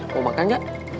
mau makan gak